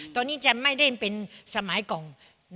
ตอนนี้จะไม่เล่นเป็นสมัยกอง